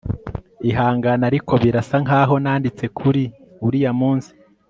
Ihangane ariko birasa nkaho nanditse kuri uriya munsi